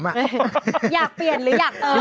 อยากเปลี่ยนหรืออยากเอิ้ม